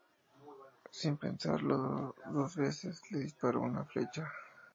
Sin pensarlo dos veces, le disparó una flecha.